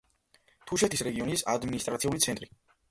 თუშეთის რეგიონის ადმინისტრაციული ცენტრი.